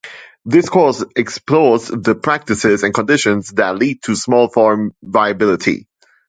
This course explores the practices and conditions that lead to small farm viability.